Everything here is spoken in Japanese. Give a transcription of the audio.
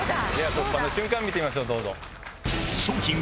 突破の瞬間見てみましょう。